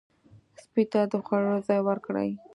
سپي ته د خوړلو ځای ورکړئ.